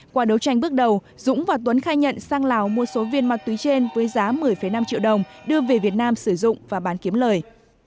qua đấu tranh bước đầu dũng và tuấn khai nhận sang lào mua số viên ma túy trên với giá một mươi năm triệu đồng đưa về việt nam sử dụng và bán kiếm lời